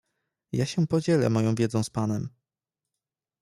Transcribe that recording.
"Ja się podzielę moją wiedzą z panem."